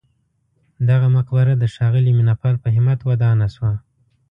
دغه مقبره د ښاغلي مینه پال په همت ودانه شوه.